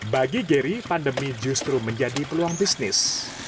bagi jerry pandemi justru menjadi peluang bisnis